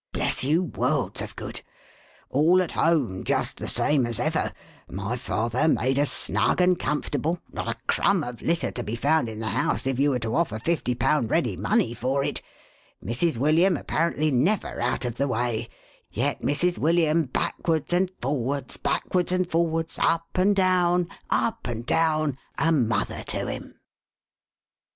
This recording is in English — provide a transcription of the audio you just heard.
Bless you, worlds of good ! All at home just the same as ever — my father made as snug and comfortable — not a crumb of litter to be found in the house, if you were to offer fifty pound ready money for it — Mrs. William apparently never out of the way — yet Mrs. William backwards and forwards, backwards and forwards, up and down, up and down, a mother to him